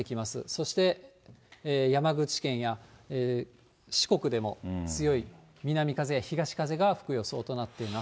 そして、山口県や四国でも強い南風や東風が吹く予想となっています。